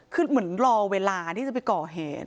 คือเหมือนรอเวลาที่จะไปก่อเหตุ